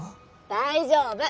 大丈夫！